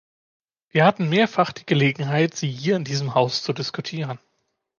Wir hatten mehrfach die Gelegenheit, sie hier in diesem Haus zu diskutieren.